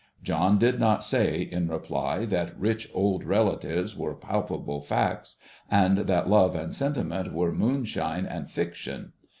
John did not say, in reply, that rich old relatives were palpable facts, and that love and sentiment were moonshine and fiction.